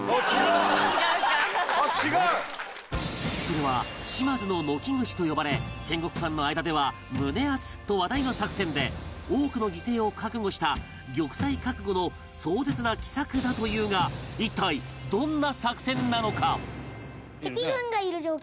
それは島津の退き口と呼ばれ戦国ファンの間では胸アツと話題の作戦で多くの犠牲を覚悟した玉砕覚悟の壮絶な奇策だというが一体どんな作戦なのか？